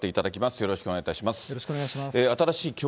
よろしくお願いします。